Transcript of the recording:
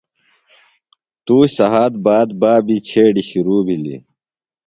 تُوش سھات باد بابی چھیڈیۡ شِرو بِھلیۡ۔